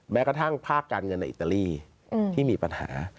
แม้กระทั่งภาคการเงินในอิตาลีที่มีปัญหา